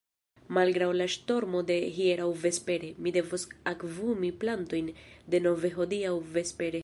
Malgraŭ la ŝtormo de hieraŭ vespere, mi devos akvumi plantojn denove hodiaŭ vespere.